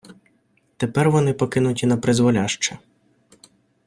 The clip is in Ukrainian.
Тепер вони покинуті напризволяще.